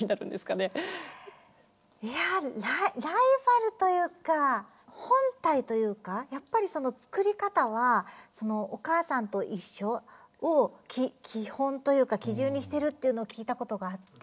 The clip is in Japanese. いやライバルというか本体というかやっぱり作り方は「おかあさんといっしょ」を基本というか基準にしているっていうのを聞いたことがあって。